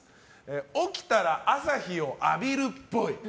起きたら朝日を浴びるっぽい。